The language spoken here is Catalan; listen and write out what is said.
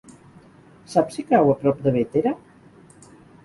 Saps si cau a prop de Bétera?